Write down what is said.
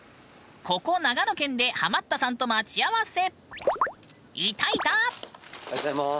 ここ、長野県でハマったさんと待ち合わせ。